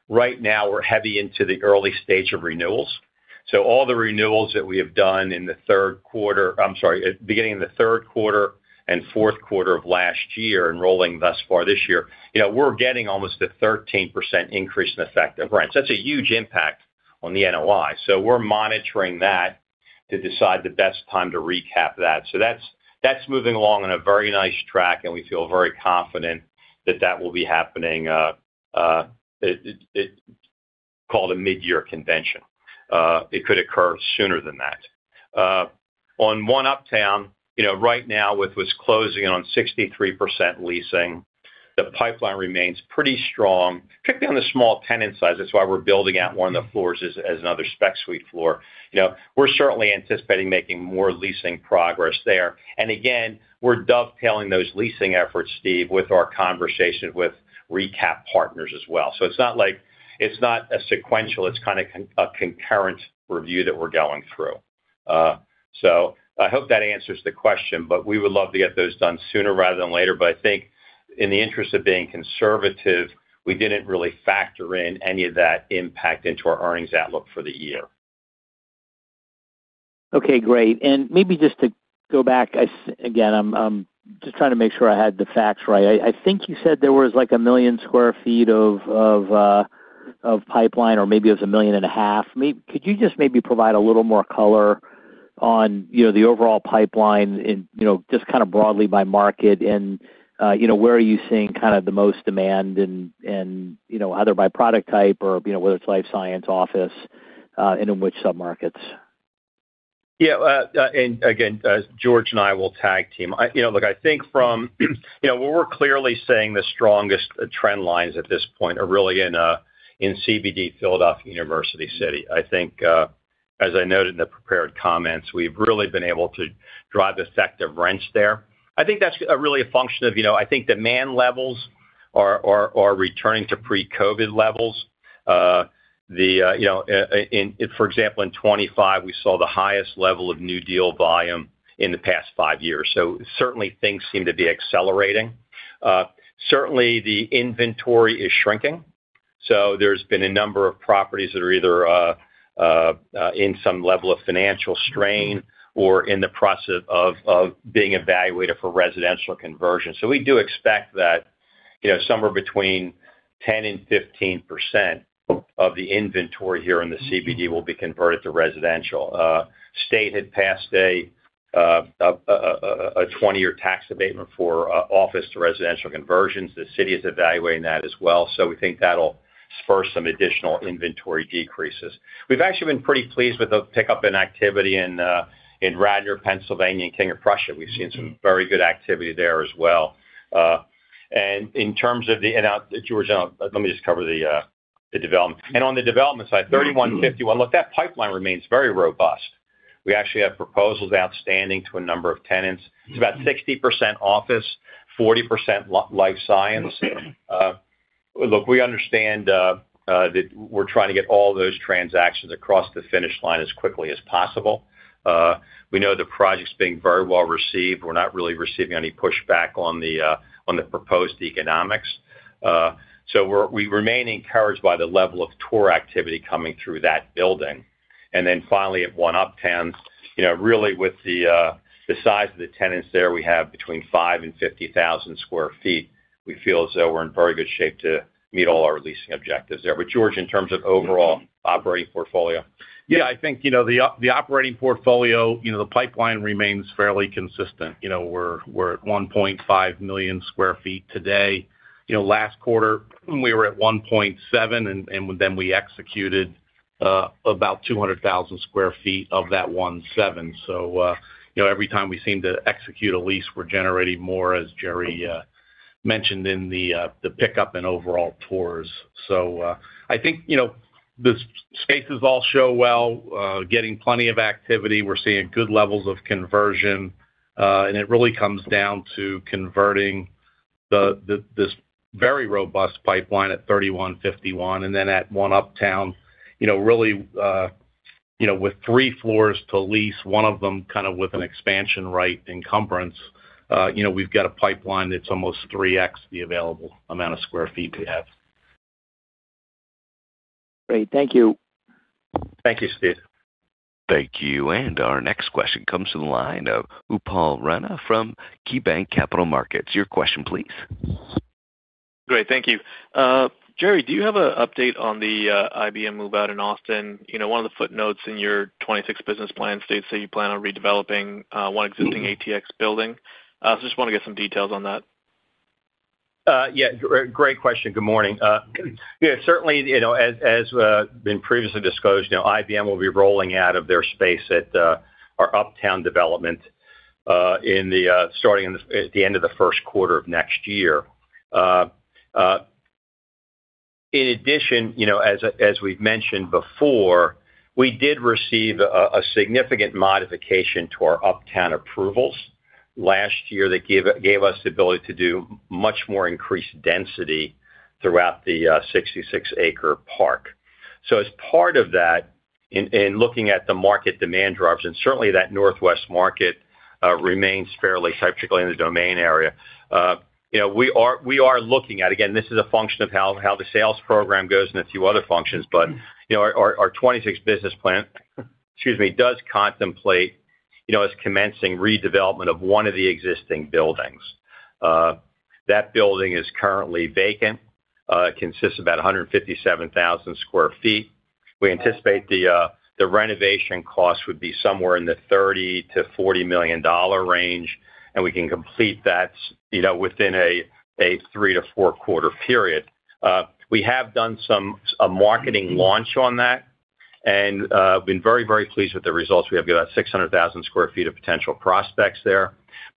Right now, we're heavy into the early stage of renewals. So all the renewals that we have done in the Q3. I'm sorry, beginning in theQ3 andQ4 of last year, and rolling thus far this year, you know, we're getting almost a 13% increase in effective rent. So that's a huge impact on the NOI. So we're monitoring that to decide the best time to recap that. So that's, that's moving along on a very nice track, and we feel very confident that that will be happening, called a mid-year convention. It could occur sooner than that. On One Uptown, you know, right now with what's closing on 63% leasing, the pipeline remains pretty strong, particularly on the small tenant side. That's why we're building out one of the floors as another spec suite floor. You know, we're certainly anticipating making more leasing progress there. And again, we're dovetailing those leasing efforts, Steve, with our conversation with recap partners as well. So it's not like it's not a sequential, it's kind of a concurrent review that we're going through. So I hope that answers the question, but we would love to get those done sooner rather than later. But I think in the interest of being conservative, we didn't really factor in any of that impact into our earnings outlook for the year. Okay, great. And maybe just to go back, again, I'm just trying to make sure I have the facts right. I think you said there was, like, 1 million sq ft of pipeline, or maybe it was 1.5 million. Could you just maybe provide a little more color on, you know, the overall pipeline and, you know, just kind of broadly by market and, you know, where are you seeing kind of the most demand and, either by product type or, you know, whether it's life science, office, and in which submarkets? Yeah, and again, George and I will tag team. You know, look, I think from, you know, what we're clearly saying the strongest trend lines at this point are really in CBD, Philadelphia, University City. I think, as I noted in the prepared comments, we've really been able to drive effective rents there. I think that's really a function of, you know, I think demand levels are returning to pre-COVID levels. You know, in, for example, in 2025, we saw the highest level of new deal volume in the past 5 years, so certainly things seem to be accelerating. Certainly, the inventory is shrinking, so there's been a number of properties that are either in some level of financial strain or in the process of being evaluated for residential conversion. So we do expect that, you know, somewhere between 10%-15% of the inventory here in the CBD will be converted to residential. State had passed a 20-year tax abatement for office to residential conversions. The city is evaluating that as well, so we think that'll spur some additional inventory decreases. We've actually been pretty pleased with the pickup in activity in Radnor, Pennsylvania, and King of Prussia. We've seen some very good activity there as well. And now, George, let me just cover the development. And on the development side, 3151, look, that pipeline remains very robust. We actually have proposals outstanding to a number of tenants. It's about 60% office, 40% life science. Look, we understand that we're trying to get all those transactions across the finish line as quickly as possible. We know the project's being very well received. We're not really receiving any pushback on the proposed economics. So we remain encouraged by the level of tour activity coming through that building. And then finally, at One Uptown, you know, really, with the size of the tenants there, we have between 5 and 50,000 sq ft. We feel as though we're in very good shape to meet all our leasing objectives there. But George, in terms of overall operating portfolio? Yeah, I think, you know, the operating portfolio, you know, the pipeline remains fairly consistent. You know, we're at 1.5 million sq ft today. You know, last quarter, we were at 1.7, and then we executed about 200,000 sq ft of that 1.7. So, I think, you know, the spaces all show well, getting plenty of activity. We're seeing good levels of conversion, and it really comes down to converting this very robust pipeline at 3151, and then at One Uptown, you know, really, you know, with 3 floors to lease, one of them kind of with an expansion right encumbrance, you know, we've got a pipeline that's almost 3x the available amount of sq ft we have. Great. Thank you. Thank you, Steve. Thank you. And our next question comes from the line of Upal Rana from KeyBanc Capital Markets. Your question, please. Great. Thank you. Jerry, do you have an update on the IBM move-out in Austin? You know, one of the footnotes in your 2026 business plan states that you plan on redeveloping one existing ATX building. So just want to get some details on that. Yeah, great question. Good morning. Yeah, certainly, you know, as we've been previously disclosed, you know, IBM will be rolling out of their space at our Uptown development starting at the end of the first quarter of next year. In addition, you know, as we've mentioned before, we did receive a significant modification to our Uptown approvals. Last year, they gave us the ability to do much more increased density throughout the 66-acre park. So as part of that, looking at the market demand drivers, and certainly that Northwest market remains fairly tight, particularly in the Domain area. You know, we are looking at... Again, this is a function of how the sales program goes and a few other functions, but, you know, our 2026 business plan, excuse me, does contemplate, you know, as commencing redevelopment of one of the existing buildings. That building is currently vacant, consists of about 157,000 sq ft. We anticipate the renovation costs would be somewhere in the $30-$40 million range, and we can complete that, you know, within a 3-4 quarter period. We have done some a marketing launch on that, and been very, very pleased with the results. We have about 600,000 sq ft of potential prospects there.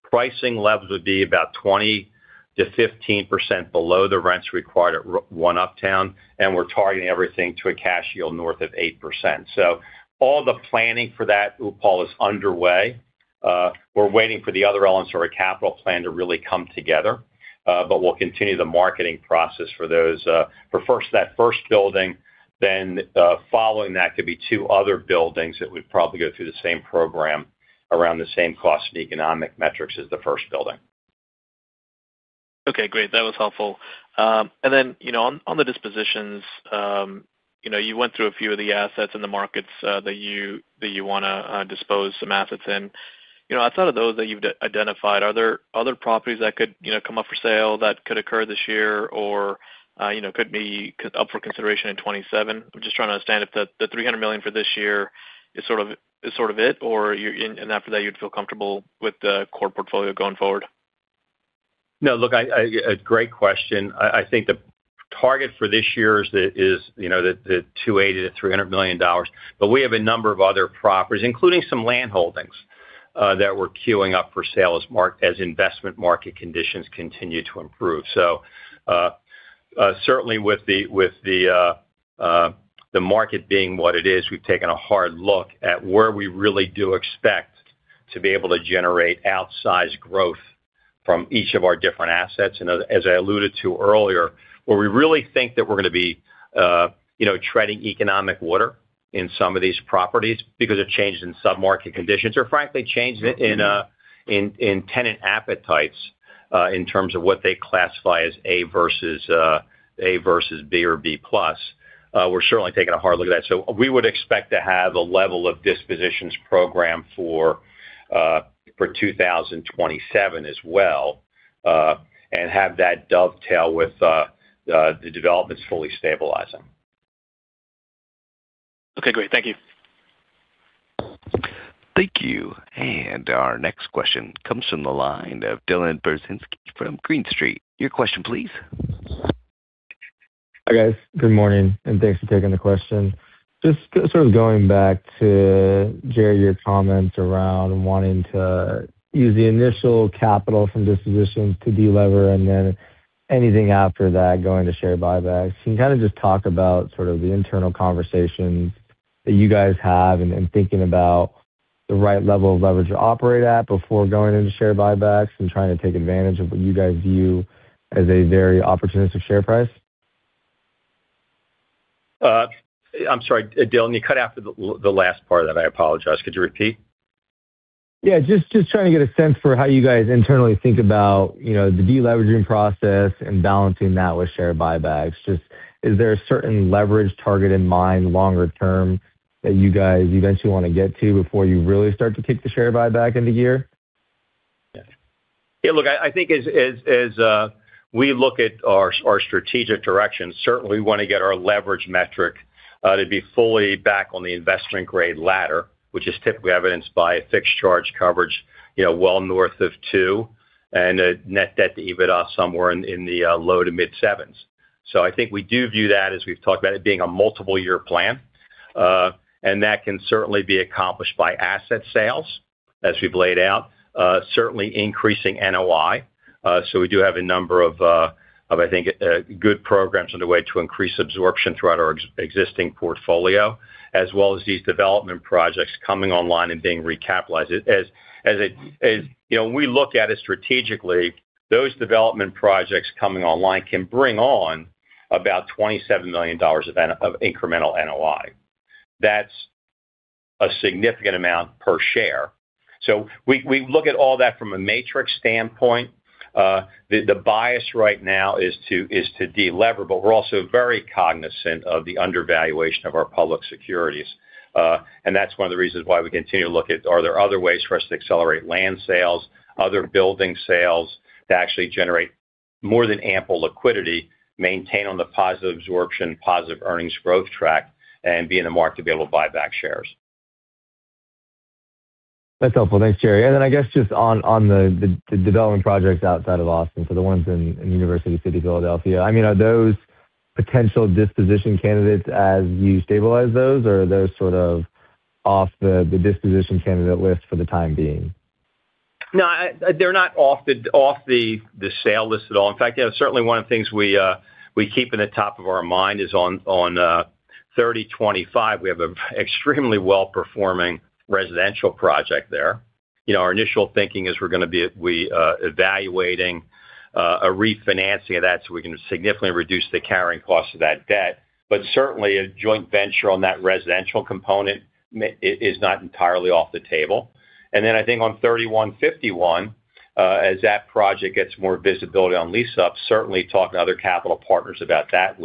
Pricing levels would be about 20%-15% below the rents required at our One Uptown, and we're targeting everything to a cash yield north of 8%. So all the planning for that, Upal, is underway. We're waiting for the other elements of our capital plan to really come together, but we'll continue the marketing process for those, for first, that first building, then, following that could be two other buildings that we'd probably go through the same program around the same cost and economic metrics as the first building. Okay, great. That was helpful. And then, you know, on the dispositions, you know, you went through a few of the assets in the markets that you wanna dispose some assets in. You know, outside of those that you've identified, are there other properties that could, you know, come up for sale that could occur this year or, you know, could be up for consideration in 2027? I'm just trying to understand if the $300 million for this year is sort of it, or you're... and after that, you'd feel comfortable with the core portfolio going forward? No, look, I, a great question. I think the target for this year is, you know, the $280 million-$300 million, but we have a number of other properties, including some land holdings, that we're queuing up for sale as investment market conditions continue to improve. So, certainly with the, with the, the market being what it is, we've taken a hard look at where we really do expect to be able to generate outsized growth from each of our different assets. And as I alluded to earlier, where we really think that we're gonna be, you know, treading economic water in some of these properties because of changes in sub-market conditions, or frankly, changes in tenant appetites, in terms of what they classify as A versus A versus B or B+, we're certainly taking a hard look at that. So we would expect to have a level of dispositions program for 2027 as well, and have that dovetail with the developments fully stabilizing. Okay, great. Thank you. Thank you. And our next question comes from the line of Dylan Burzinski from Green Street. Your question, please. Hi, guys. Good morning, and thanks for taking the question. Just sort of going back to, Jerry, your comments around wanting to use the initial capital from dispositions to delever, and then anything after that, going to share buybacks. Can you kind of just talk about sort of the internal conversations that you guys have in thinking about the right level of leverage to operate at before going into share buybacks and trying to take advantage of what you guys view as a very opportunistic share price? I'm sorry, Dylan. You cut out after the last part of that. I apologize. Could you repeat? Yeah, just, just trying to get a sense for how you guys internally think about, you know, the deleveraging process and balancing that with share buybacks. Just is there a certain leverage target in mind, longer term, that you guys eventually want to get to before you really start to kick the share buyback into gear? Yeah, look, I think as we look at our strategic direction, certainly we want to get our leverage metric to be fully back on the investment-grade ladder, which is typically evidenced by a Fixed Charge Coverage, you know, well north of two, and a Net Debt to EBITDA somewhere in the low to mid sevens. So I think we do view that, as we've talked about it, being a multiple-year plan. And that can certainly be accomplished by asset sales, as we've laid out. Certainly increasing NOI. So we do have a number of good programs underway to increase absorption throughout our existing portfolio, as well as these development projects coming online and being recapitalized. As it... As you know, when we look at it strategically, those development projects coming online can bring on about $27 million of incremental NOI. That's a significant amount per share. So we look at all that from a matrix standpoint. The bias right now is to delever, but we're also very cognizant of the undervaluation of our public securities. And that's one of the reasons why we continue to look at, are there other ways for us to accelerate land sales, other building sales, to actually generate more than ample liquidity, maintain on the positive absorption, positive earnings growth track, and be in the market to be able to buy back shares? That's helpful. Thanks, Jerry. And then I guess just on the development projects outside of Austin, so the ones in University City, Philadelphia. I mean, are those potential disposition candidates as you stabilize those, or are those sort of off the disposition candidate list for the time being? No, they're not off the sale list at all. In fact, yeah, certainly one of the things we keep in the top of our mind is on 3025, we have an extremely well-performing residential project there. You know, our initial thinking is we're gonna be evaluating a refinancing of that, so we can significantly reduce the carrying cost of that debt. But certainly, a joint venture on that residential component is not entirely off the table. And then I think on 3151, as that project gets more visibility on lease-up, certainly talking to other capital partners about that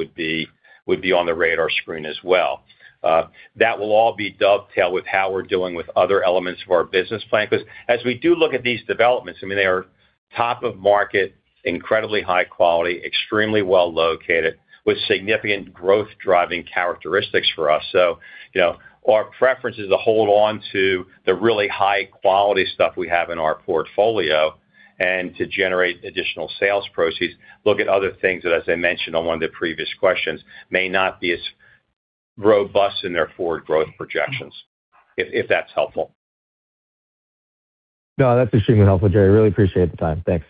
would be on the radar screen as well. That will all be dovetailed with how we're doing with other elements of our business plan, because as we do look at these developments, I mean, they are top of market, incredibly high quality, extremely well located, with significant growth-driving characteristics for us. So you know, our preference is to hold on to the really high-quality stuff we have in our portfolio and to generate additional sales proceeds. Look at other things that, as I mentioned on one of the previous questions, may not be as robust in their forward growth projections, if that's helpful. No, that's extremely helpful, Jerry. Really appreciate the time. Thanks.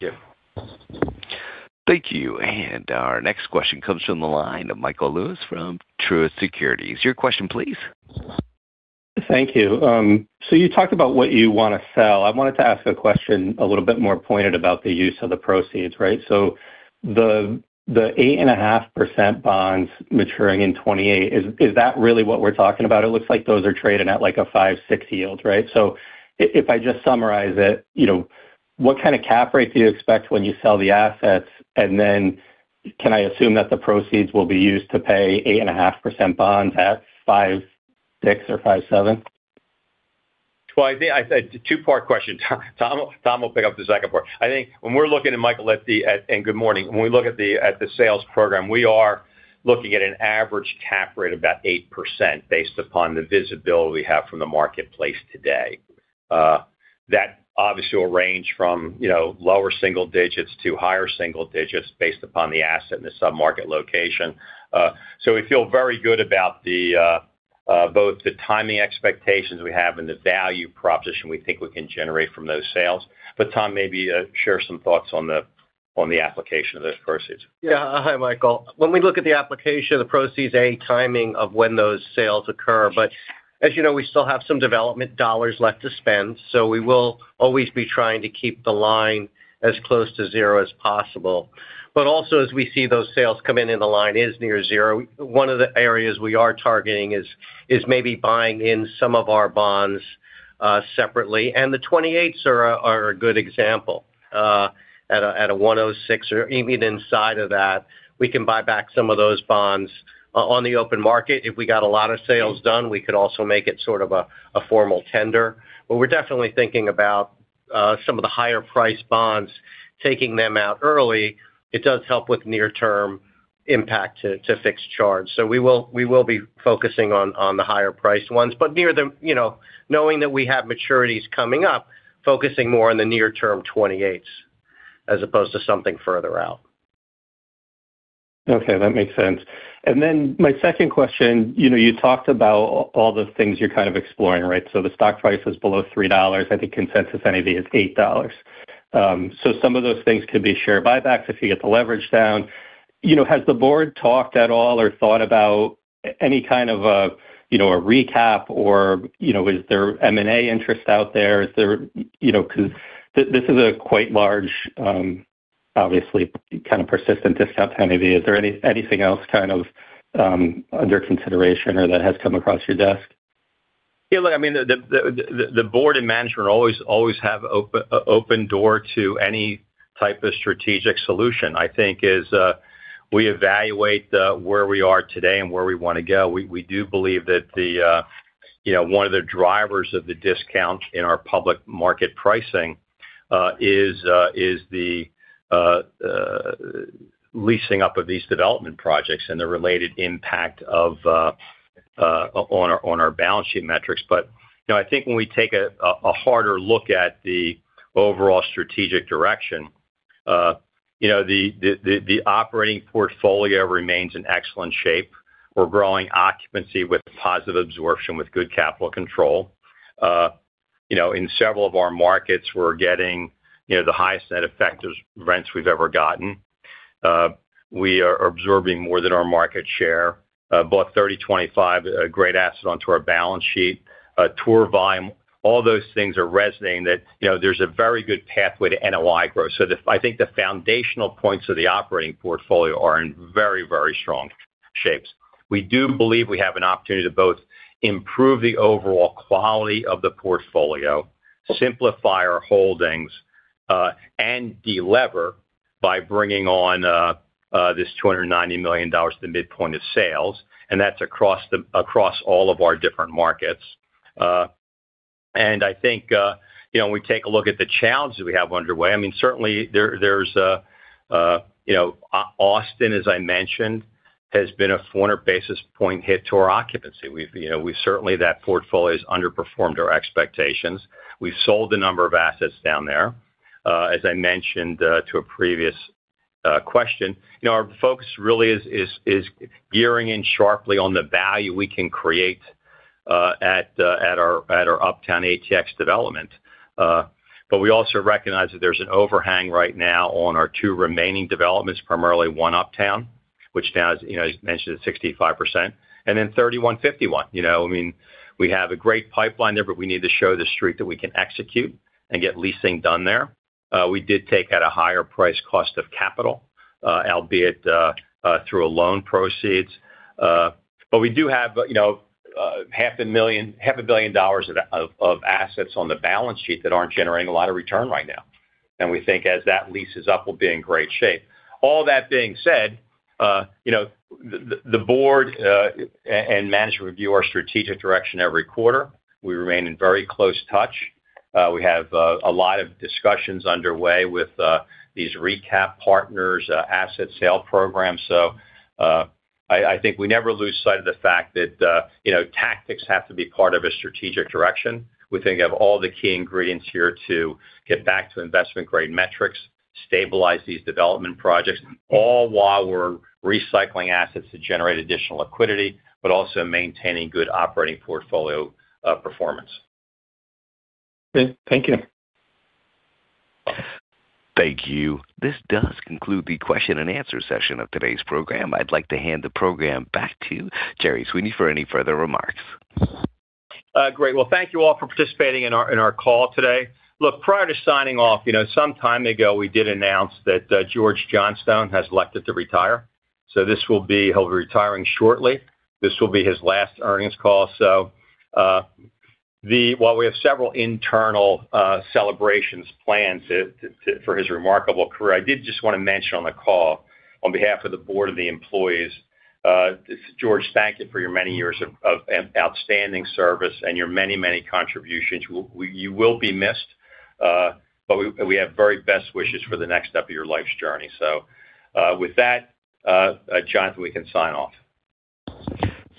Yeah. Thank you. And our next question comes from the line of Michael Lewis from Truist Securities. Your question please. Thank you. So you talked about what you want to sell. I wanted to ask a question a little bit more pointed about the use of the proceeds, right? So the 8.5% bonds maturing in 2028, is that really what we're talking about? It looks like those are trading at, like, a 5.6% yield, right? So if I just summarize it, you know, what kind of cap rate do you expect when you sell the assets? And then can I assume that the proceeds will be used to pay 8.5% bonds at 5.6 or 5.7? Well, I think it's a two-part question. Tom, Tom will pick up the second part. I think when we're looking at, Michael, and good morning. When we look at the sales program, we are looking at an average cap rate of about 8%, based upon the visibility we have from the marketplace today. That obviously will range from, you know, lower single digits to higher single digits, based upon the asset and the sub-market location. So we feel very good about both the timing expectations we have and the value proposition we think we can generate from those sales. But Tom, maybe share some thoughts on the application of those proceeds. Yeah. Hi, Michael. When we look at the application of the proceeds, A, timing of when those sales occur, but as you know, we still have some development dollars left to spend, so we will always be trying to keep the line as close to zero as possible. But also, as we see those sales come in and the line is near zero, one of the areas we are targeting is, is maybe buying in some of our bonds, separately, and the 28s are a, are a good example, at a, at a 106 or even inside of that. We can buy back some of those bonds on the open market. If we got a lot of sales done, we could also make it sort of a, a formal tender. But we're definitely thinking about, some of the higher-priced bonds- Taking them out early, it does help with near-term impact to fixed charge. So we will be focusing on the higher priced ones, but near the, you know, knowing that we have maturities coming up, focusing more on the near-term 2028s as opposed to something further out. Okay, that makes sense. And then my second question, you know, you talked about all the things you're kind of exploring, right? So the stock price is below $3. I think consensus NAV is $8. So some of those things could be share buybacks if you get the leverage down. You know, has the board talked at all or thought about any kind of a, you know, a recap or, you know, is there M&A interest out there? Is there. You know, this, this is a quite large, obviously, kind of persistent discount NAV. Is there anything else kind of, under consideration or that has come across your desk? Yeah, look, I mean, the board and management always have open door to any type of strategic solution. I think as we evaluate where we are today and where we wanna go, we do believe that the, you know, one of the drivers of the discount in our public market pricing is the leasing up of these development projects and the related impact on our balance sheet metrics. But, you know, I think when we take a harder look at the overall strategic direction, you know, the operating portfolio remains in excellent shape. We're growing occupancy with positive absorption, with good capital control. You know, in several of our markets, we're getting, you know, the highest net effective rents we've ever gotten. We are absorbing more than our market share, bought 3025, a great asset onto our balance sheet, tour volume. All those things are resonating that, you know, there's a very good pathway to NOI growth. So, I think the foundational points of the operating portfolio are in very, very strong shapes. We do believe we have an opportunity to both improve the overall quality of the portfolio, simplify our holdings, and delever by bringing on this $290 million to the midpoint of sales, and that's across the, across all of our different markets. And I think, you know, when we take a look at the challenges we have underway, I mean, certainly there, there's a, a, you know, Austin, as I mentioned, has been a 400 basis point hit to our occupancy. We've, you know, we've certainly that portfolio has underperformed our expectations. We've sold a number of assets down there. As I mentioned to a previous question, you know, our focus really is gearing in sharply on the value we can create at our Uptown ATX development. But we also recognize that there's an overhang right now on our two remaining developments, primarily One Uptown, which now is, you know, as mentioned, 65%, and then 3151. You know, I mean, we have a great pipeline there, but we need to show the street that we can execute and get leasing done there. We did take at a higher price, cost of capital, albeit through a loan proceeds. But we do have, you know, half a million- half a billion dollars of assets on the balance sheet that aren't generating a lot of return right now. We think as that leases up, we'll be in great shape. All that being said, you know, the board and management review our strategic direction every quarter. We remain in very close touch. We have a lot of discussions underway with these recap partners, asset sale program. So, I think we never lose sight of the fact that, you know, tactics have to be part of a strategic direction. We think of all the key ingredients here to get back to investment-grade metrics, stabilize these development projects, all while we're recycling assets to generate additional liquidity, but also maintaining good operating portfolio performance. Great. Thank you. Thank you. This does conclude the question and answer session of today's program. I'd like to hand the program back to Jerry Sweeney for any further remarks. Great. Well, thank you all for participating in our call today. Look, prior to signing off, you know, some time ago, we did announce that George Johnstone has elected to retire, so this will be-he'll be retiring shortly. This will be his last earnings call. So, while we have several internal celebrations planned for his remarkable career, I did just want to mention on the call, on behalf of the board and the employees, George, thank you for your many years of outstanding service and your many, many contributions. You will be missed, but we have very best wishes for the next step of your life's journey. So, with that, Jonathan, we can sign off.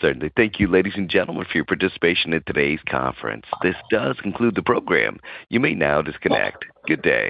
Certainly. Thank you, ladies and gentlemen, for your participation in today's conference. This does conclude the program. You may now disconnect. Good day.